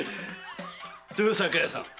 豊栄屋さん。